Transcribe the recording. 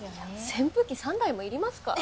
扇風機３台もいりますか？